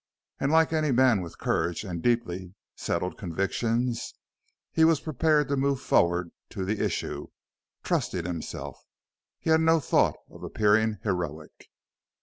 And like any man with courage and deeply settled convictions he was prepared to move forward to the issue, trusting himself. He had no thought of appearing heroic.